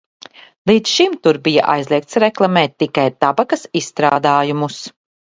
Līdz šim tur bija aizliegts reklamēt tikai tabakas izstrādājumus.